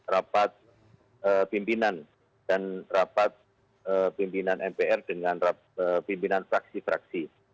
rapat pimpinan dan rapat pimpinan mpr dengan pimpinan fraksi fraksi